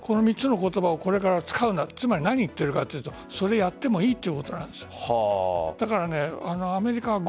この３つの言葉をこれから使うなつまり何を言ってるかというとそれをやってもいいということなんです。